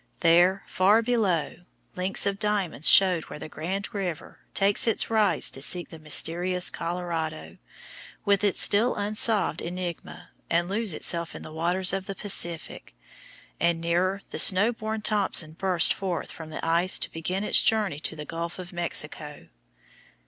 There, far below, links of diamonds showed where the Grand River takes its rise to seek the mysterious Colorado, with its still unsolved enigma, and lose itself in the waters of the Pacific; and nearer the snow born Thompson bursts forth from the ice to begin its journey to the Gulf of Mexico.